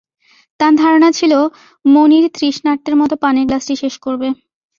তাঁর ধারণা ছিল, মুনির তৃষ্ণার্তের মতো পানির গ্লাসটি শেষ করবে।